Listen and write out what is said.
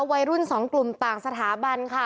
วัยรุ่นสองกลุ่มต่างสถาบันค่ะ